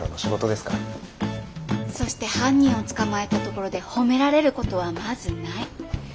そして犯人を捕まえたところで褒められることはまずない。